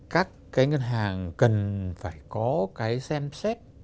các cái ngân hàng cần phải có cái xem xét